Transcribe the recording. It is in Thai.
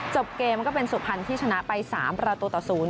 จบเกมก็เป็นสุพรรณที่ชนะไป๓ประตูต่อ๐